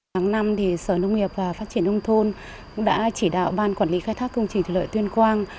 tháng năm sở nông nghiệp và phát triển nông thôn cũng đã chỉ đạo ban quản lý khai thác công trình thủy lợi tuyên quang